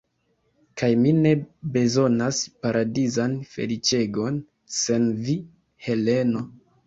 Kaj mi ne bezonas paradizan feliĉegon sen vi, Heleno.